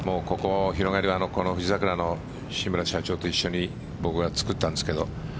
この富士桜の志村社長と一緒に僕が作ったんですけど。